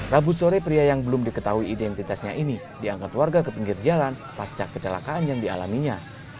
rabu sore pria yang belum diketahui identitasnya ini diangkat warga ke pinggir jalan pasca kecelakaan yang dialaminya